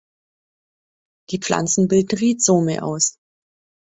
Die Pflanzen bilden Rhizome aus.